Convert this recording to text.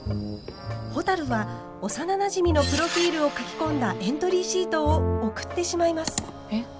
ほたるは幼なじみのプロフィールを書き込んだエントリーシートを送ってしまいます。